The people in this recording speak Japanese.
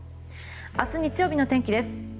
明日日曜日の天気です。